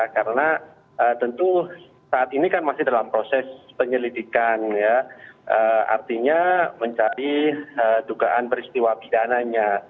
karena tentu saat ini kan masih dalam proses penyelidikan ya artinya mencari dugaan peristiwa bidananya